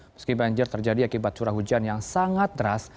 meski banjir terjadi akibat curah hujan yang sangat deras